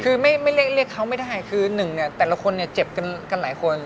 คือไม่เรียกเขาไม่ได้คือหนึ่งแต่ละคนเจ็บกันหลายคน